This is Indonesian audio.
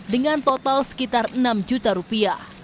dengan total sekitar enam juta rupiah